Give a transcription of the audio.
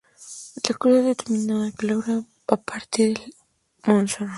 La cursa será dominada por Laurent Jalabert a partir de la victoria en Montserrat.